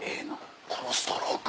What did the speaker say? このストローク。